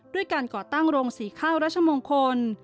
ด้วยการก่อตั้งโรงสีข้าวรัชมงคล